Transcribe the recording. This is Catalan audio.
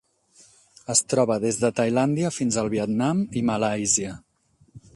Es troba des de Tailàndia fins al Vietnam i Malàisia.